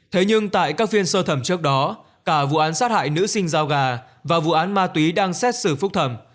thế nhưng tại các phiên sơ thẩm trước đó cả vụ án sát hại nữ sinh giao gà và vụ án ma túy đang xét xử phúc thẩm